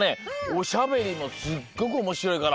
おしゃべりもすっごくおもしろいから。